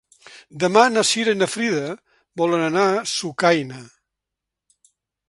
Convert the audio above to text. Demà na Cira i na Frida volen anar a Sucaina.